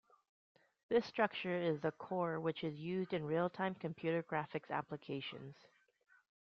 This structure is the core which is used in real-time computer graphics applications.